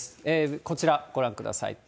こちらご覧ください。